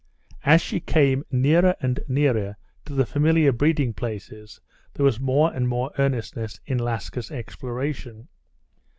As she came nearer and nearer to the familiar breeding places there was more and more earnestness in Laska's exploration.